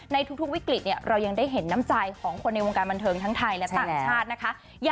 ในทุกวิกฤตเรายังได้เห็นน้ำใจของคนในวงการบันเทิงทั้งไทยและต่างชาตินะคะ